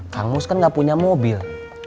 kang mus kan gak punya mobil